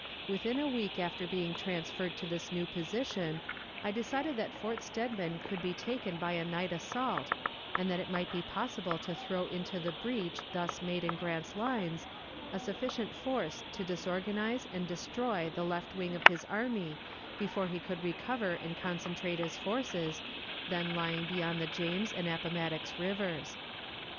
Within a week after being transferred to this new position, I decided that Fort Steadman could be taken by a night assault, and that it might be possible to throw into the breach thus made in Grant's lines a sufficient force to disorganize and destroy the left wing of his army before he could recover and concentrate his forces, then lying beyond the James and Appomattox Rivers.